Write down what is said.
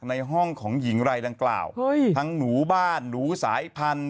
ในห้องของหญิงรายดังกล่าวทั้งหนูบ้านหนูสายพันธุ